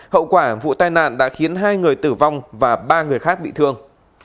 hậu quả vụ tai nạn đã khiến hai người tử vong và ba người khác bị thương